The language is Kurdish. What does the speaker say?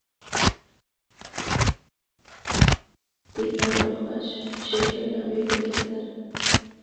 Dîtina wê xweş, jêkirina wê bi keser e